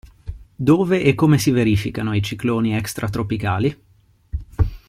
Dove e come si verificano i cicloni extratropicali?